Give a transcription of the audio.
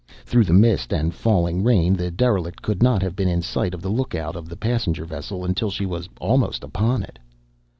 Through the mist and falling rain, the derelict could not have been in sight of the lookout of the passenger vessel until she was almost upon it.